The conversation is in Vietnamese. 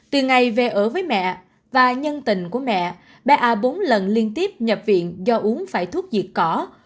từ ngày về ở với mẹ và nhân tình của mẹ bé a bốn lần liên tiếp nhập viện do uống phải thuốc diệt cỏ